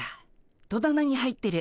戸棚に入ってる。